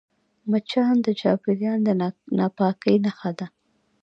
مچان د چاپېریال د ناپاکۍ نښه ده